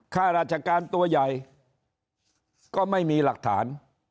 ข้าราชการตัวใหญ่ก็ไม่มีหลักฐาน